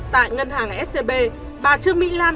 tại ngân hàng scb bà trương mỹ lan